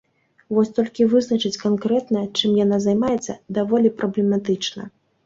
Вось толькі вызначыць канкрэтна, чым яна займаецца, даволі праблематычна.